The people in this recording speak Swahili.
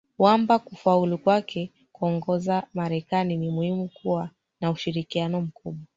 wamba kufaulu kwake kuongoza marekani ni muhimu kuwa na ushirikiano mkubwa